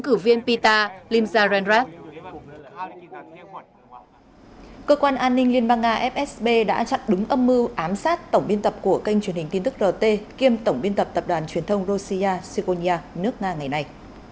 cơ quan an ninh liên bang nga fsb đã chặn đúng âm mưu ám sát tổng biên tập của kênh truyền hình tin tức rt kiêm tổng biên tập tập đoàn truyền thông russia sykonia nước nga ngày nay